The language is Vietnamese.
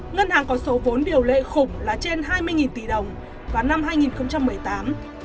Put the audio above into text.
ngân hàng có số vốn điều lệ khủng là trên hai mươi tỷ đồng vào năm hai nghìn một mươi tám